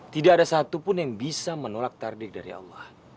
tidak ada satupun yang bisa menolak tardik dari allah